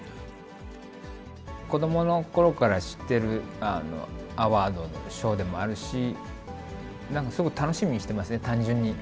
子どものころから知ってるアワード、賞でもあるし、なんかすごく楽しみにしてますね、単純に。